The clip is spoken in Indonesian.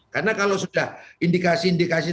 karena kalau sudah indikasi indikasi